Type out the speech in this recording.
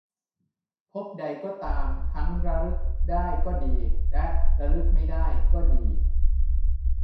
ภพใด ก็ตาม ทั้งระลึกได้ก็ดีและระลึกไม่ได้ก็ดี